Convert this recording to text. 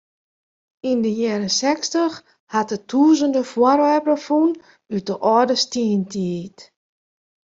Yn de jierren sechstich hat er tûzenen foarwerpen fûn út de âlde stientiid.